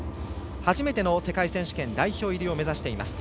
初めての世界選手権代表入りを目指しています。